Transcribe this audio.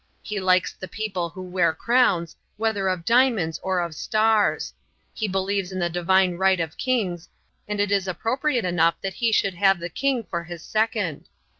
He likes the people who wear crowns, whether of diamonds or of stars. He believes in the divine right of kings, and it is appropriate enough that he should have the king for his second.